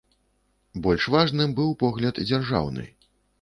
Больш важным быў погляд дзяржаўны.